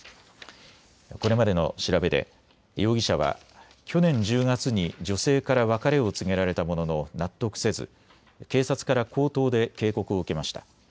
これまでの調べで容疑者は去年１０月に女性から別れを告げられたものの納得せず警察から口頭で警告を受けました。